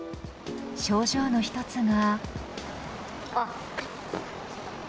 症状の１つが。